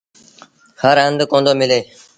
هر هنڌ ڪوندو ملي۔